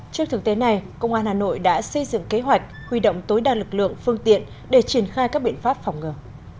trước thực tế này công an hà nội đã xây dựng kế hoạch huy động tối đa lực lượng phương tiện để triển khai các biện pháp phòng ngừa